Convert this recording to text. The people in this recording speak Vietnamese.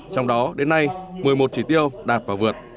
trong đó đến nay một mươi một chỉ tiêu đạt và vượt